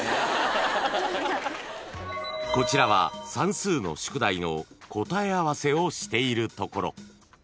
［こちらは算数の宿題の答え合わせをしているところ］